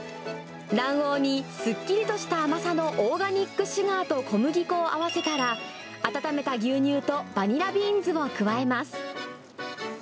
卵黄にすっきりとした甘さのオーガニックシュガーと小麦粉を合わせたら、温めた牛乳とバニラビーンズを加えます。